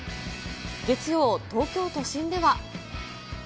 月曜、東京都心では。